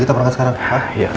kita perangkat sekarang pak